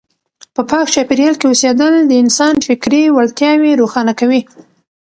په پاک چاپیریال کې اوسېدل د انسان فکري وړتیاوې روښانه کوي.